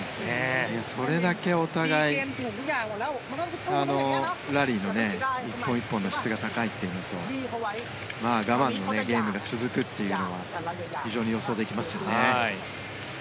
それだけお互いラリーの１本１本の質が高いというのと我慢のゲームが続くというのは非常に予想できますよね。